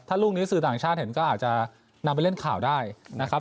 ลูกนี้สื่อต่างชาติเห็นก็อาจจะนำไปเล่นข่าวได้นะครับ